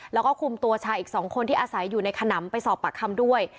แล้วก็คุมตัวชายอีก๒คนที่อาศัยอยู่ในขนำไปสอบปากคำด้วย